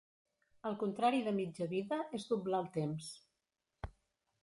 El contrari de mitja vida és doblar el temps.